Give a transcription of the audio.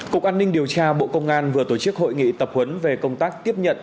cục an ninh điều tra bộ công an vừa tổ chức hội nghị tập huấn về công tác tiếp nhận